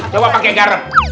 coba pakai garam